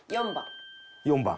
４番。